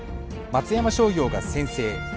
松山商業が先制。